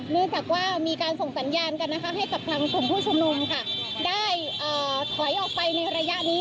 เนื่องจากว่ามีการส่งสัญญาณกันให้กระพังผู้ชนุมได้ถอยออกไปในระยะนี้